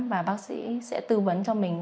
và bác sĩ sẽ tư vấn cho mình